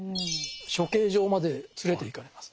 処刑場まで連れていかれます。